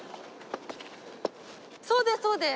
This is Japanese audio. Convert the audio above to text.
そうですそうです。